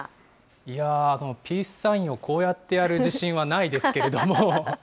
いやー、ピースサインをこうやってやる自信はないですけれども。